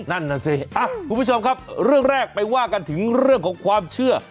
นั่นน่ะสิคุณผู้ชมครับเรื่องแรกไปว่ากันถึงเรื่องของความเชื่อ